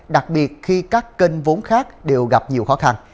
đặc biệt khi các kênh vốn khác đều gặp nhiều khó khăn